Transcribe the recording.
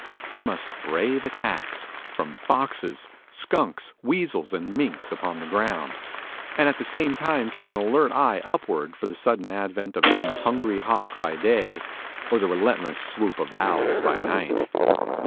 They must brave attacks from foxes, skunks, weasels and minks upon the ground, and at the same time keep an alert eye upward for the sudden advent of some hungry hawk by day, or the relentless swoop of owls by night.